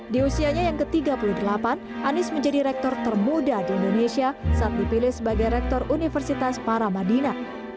di usianya yang ke tiga puluh delapan anies menjadi rektor termuda di indonesia saat dipilih sebagai rektor universitas paramadina